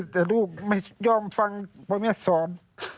แต่ลูกไม่ยอมฟังเพราะแม่สอน